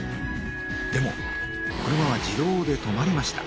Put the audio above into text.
でも車は自動で止まりました。